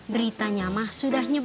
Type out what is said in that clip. beritanya mah sudah nyembus